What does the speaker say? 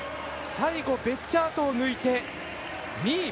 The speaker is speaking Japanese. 最後、ベッジャートを抜いて２位。